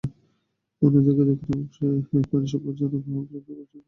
অন্যদিকে দক্ষিণ অংশে পানি সরবরাহের জন্য পাইপলাইন বসানোর কাজ ইতিমধ্যেই শেষ হয়েছে।